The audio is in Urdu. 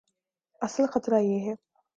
اصل خطرہ یہ ہے۔